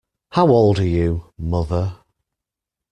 How old are you, mother.